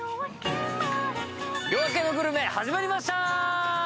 「夜明けのグルメ」始まりました。